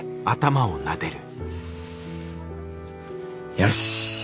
よし！